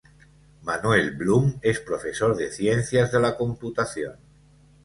Manuel Blum es profesor de Ciencias de la Computación.